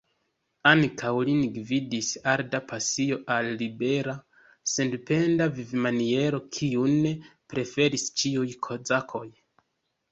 Ankaŭ lin gvidis arda pasio al libera, sendependa vivmaniero, kiun preferis ĉiuj kozakoj.